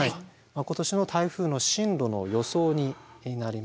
今年の台風の進路の予想になります。